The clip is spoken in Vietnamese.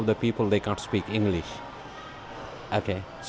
và nhiều người không biết tiếng tiếng tiếng